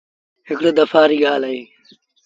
هڪڙي دپآ ري ڳآل اهي۔